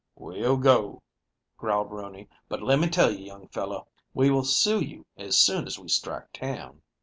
"We'll go," growled Rooney, "but let me tell you, young fellow, we will sue you as soon as we strike town."